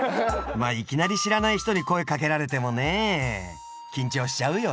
まあいきなり知らない人に声かけられてもねえ緊張しちゃうよね